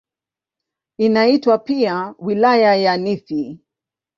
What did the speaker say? Inaitwa pia "Wilaya ya Nithi".